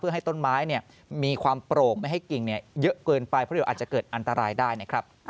ให้ต้นไม้มีความโปร่งไม่ให้กิ่งเยอะเกินไปเพราะเดี๋ยวอาจจะเกิดอันตรายได้นะครับ